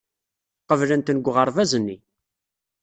Qeblen-ten deg uɣerbaz-nni.